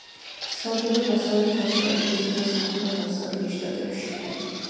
ვრცელდება დასავლეთ ავსტრალიისა და სამხრეთ ავსტრალიის შტატებში.